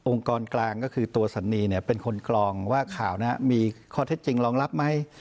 องค์กรกลางก็คือตัวสันนีเนี่ยเป็นคนกลองว่าข่าวนะมีคอเทศจริงรองรับไหม